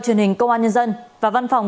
truyền hình công an nhân dân và văn phòng